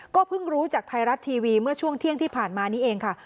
เพิ่งรู้จากไทยรัฐทีวีเมื่อช่วงเที่ยงที่ผ่านมานี้เองค่ะ